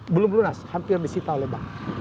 belum lunas hampir disita oleh bank